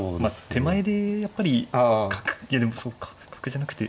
手前でやっぱり角いやでもそうか角じゃなくて。